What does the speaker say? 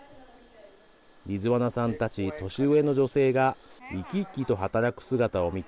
リズワナさんたち年上の女性が生き生きと働く姿を見て